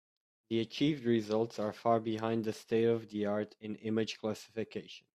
The achieved results are far behind the state-of-the-art in image classification.